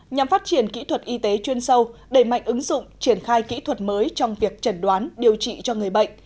nhằm phát triển kỹ thuật y tế chuyên sâu đẩy mạnh ứng dụng triển khai kỹ thuật mới trong việc chẩn đoán điều trị cho người bệnh